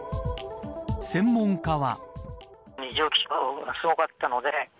専門家は。